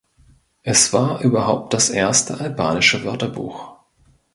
Es war überhaupt das erste albanische Wörterbuch.